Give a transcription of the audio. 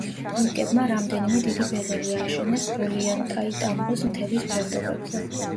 ინკებმა რამდენიმე დიდი ბეღელი ააშენეს ოლიანტაიტამბოს მთების ფერდობებზე.